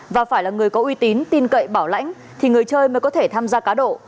và phải là người có uy tín tin cậy bảo lãnh thì người chơi mới có thể tham gia cá độ